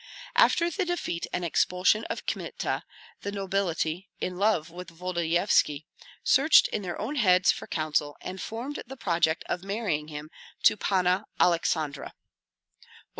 After the defeat and expulsion of Kmita, the nobility, in love with Volodyovski, searched in their own heads for counsel, and formed the project of marrying him to Panna Aleksandra.